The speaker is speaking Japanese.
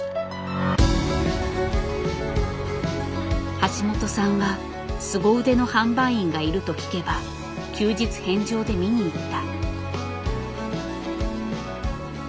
橋本さんはすご腕の販売員がいると聞けば休日返上で見に行った。